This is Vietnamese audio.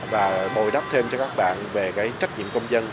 và bồi đắp thêm cho các bạn về trách nhiệm công dân